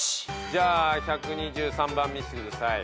じゃあ１２０３番見せてください。